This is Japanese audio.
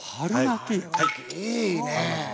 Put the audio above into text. いいねえ！